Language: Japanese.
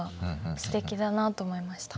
すてきだなと思いました。